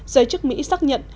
giới chức mỹ xác nhận